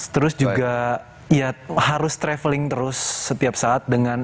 terus juga ya harus traveling terus setiap saat dengan